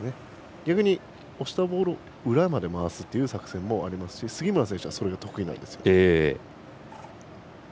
逆に押したボールを裏まで回すという作戦もありますし杉村選手はそれが得意なんです。